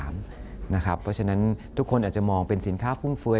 เพราะฉะนั้นทุกคนอาจจะมองเป็นสินค้าฟุ่มเฟ้ย